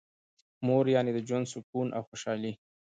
مور یعنی د ژوند سکون او خوشحالي.